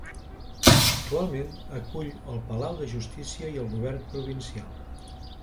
Actualment acull el Palau de Justícia i el Govern provincial.